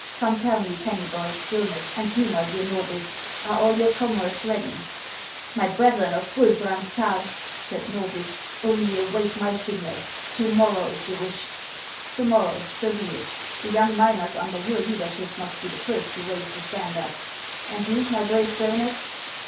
Come, tell me, Kennybol, Jonas, and you, my dear Norbith, are all your comrades ready ?"" My brethren of Guldbrandsdal," said Xorbith, " only await my signal. To morrow, if you wish —"" To morrow ; so be it. The young miners under your leadership must be the first to raise the standard. And you, my brave Jonas